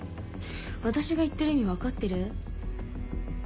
私が言ってる意味分かってる？